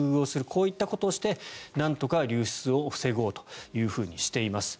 こうしたことをしてなんとか流出を防ごうとしています。